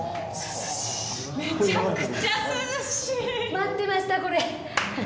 待ってましたこれ。